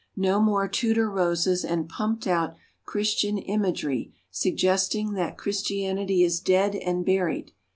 No more Tudor roses and pumped out Christian imagery suggesting that Christianity is dead and buried!